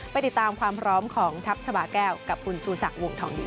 ไปติดตามความพร้อมของทัพชาบาแก้วกับคุณชูศักดิ์วงทองดี